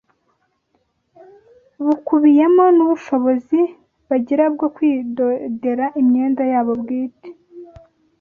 bukubiyemo n’ubushobozi bagira bwo kwidodera imyenda yabo bwite